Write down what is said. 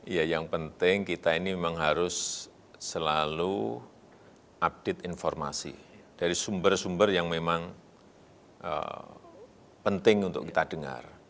ya yang penting kita ini memang harus selalu update informasi dari sumber sumber yang memang penting untuk kita dengar